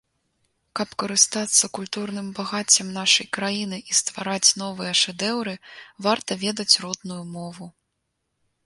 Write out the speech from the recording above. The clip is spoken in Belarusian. Каб карыстацца культурным багаццем нашай краіны і ствараць новыя шэдэўры, варта ведаць родную мову.